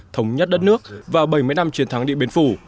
thống nhất đất nước và bảy mươi năm chiến thắng điện biên phủ